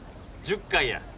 １０回や。